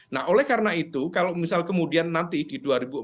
nah oleh karena itu kalau misal kemudian nanti di dua ribu empat belas